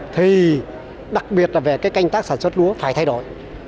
thì đặc biệt là về cái canh tác sản xuất lúa phải thay đổi